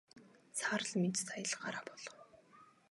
Саарал Минж сая л гараа буулгав.